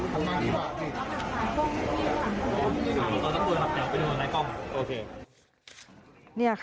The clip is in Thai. ต้องปุ่นหลับแต่วไปด้วยหลายก้ม